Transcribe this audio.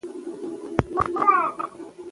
په یووالي کې پرمختګ ده